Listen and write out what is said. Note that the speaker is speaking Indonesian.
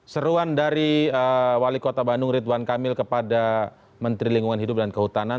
seruan dari wali kota bandung ridwan kamil kepada menteri lingkungan hidup dan kehutanan